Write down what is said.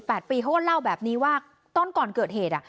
เขาบอกว่าเรื่องเล่าแบบนี้ว่าตอนก่อนเกิดเหตุ